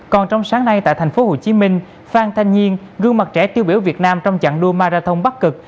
còn trong sáng nay tại tp hcm phan thanh nhiên gương mặt trẻ tiêu biểu việt nam trong chặng đua marathon bắc cực